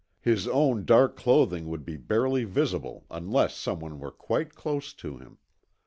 His own dark clothing would be barely visible unless someone were quite close to him.